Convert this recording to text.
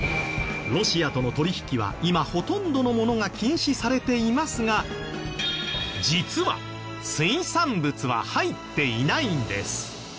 ロシアとの取引は今ほとんどのものが禁止されていますが実は水産物は入っていないんです。